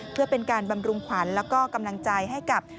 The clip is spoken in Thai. เพื่อเป็นการบำรุงขวัญแล้วก็กำลังใจให้กับ